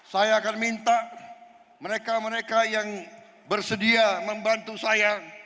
saya akan minta mereka mereka yang bersedia membantu saya